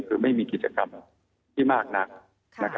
คือไม่มีกิจกรรมที่มากนัก